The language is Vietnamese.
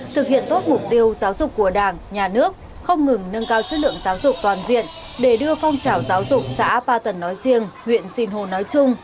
thực hiện tốt mục tiêu giáo dục của đảng nhà nước không ngừng nâng cao chất lượng giáo dục toàn diện để đưa phong trào giáo dục xã ba tần nói riêng huyện sinh hồ nói chung